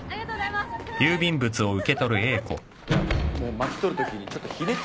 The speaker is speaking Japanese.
巻き取るときにちょっとひねって。